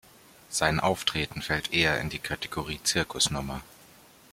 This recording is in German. Sein Auftreten fällt eher in die Kategorie Zirkusnummer.